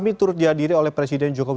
you luar biasa you